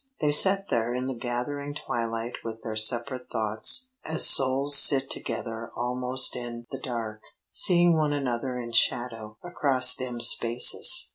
They sat there in the gathering twilight with their separate thoughts as souls sit together almost in the dark, seeing one another in shadow, across dim spaces.